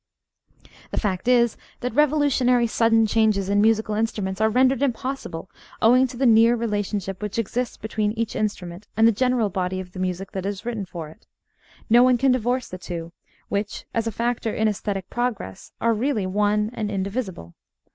The fact is that revolutionary sudden changes in musical instruments are rendered impossible owing to the near relationship which exists between each instrument and the general body of the music that is written for it. No one can divorce the two, which, as a factor in æsthetic progress, are really one and indivisible.